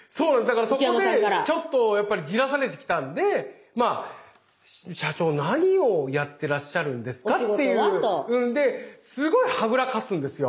だからそこでちょっとじらされてきたんで「社長何をやってらっしゃるんですか」っていうんですごいはぐらかすんですよ。